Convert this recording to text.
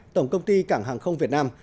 tổng công ty cảng hàng không việt nam